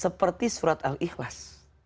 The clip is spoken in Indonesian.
seperti surat al ikhlas